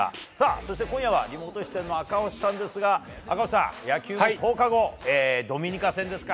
そして今夜はリモート出演の赤星さんですが赤星さん、野球も１０日ドミニカ戦ですか。